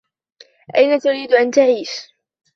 أين تريد أن تعيش؟